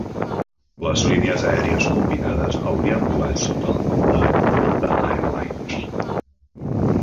Les línies aèries combinades haurien volat sota el nom de Delta Air Lines.